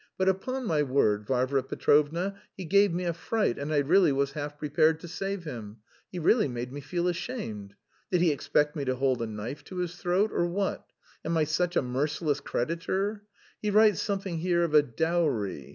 But upon my word, Varvara Petrovna, he gave me a fright, and I really was half prepared to save him. He really made me feel ashamed. Did he expect me to hold a knife to his throat, or what? Am I such a merciless creditor? He writes something here of a dowry....